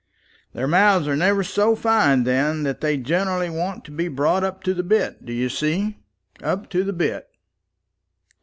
"Their mouths are never so fine then, and they generally want to be brought up to the bit, d'ye see? up to the bit.